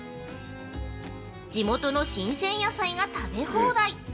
地元の新鮮野菜が食べ放題！